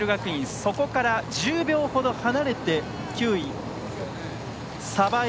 そこから１０秒程離れて９位、鯖江